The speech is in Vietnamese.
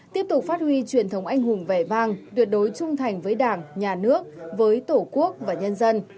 tiếp tục phát huy truyền thống anh hùng vẻ vang tuyệt đối trung thành với đảng nhà nước với tổ quốc và nhân dân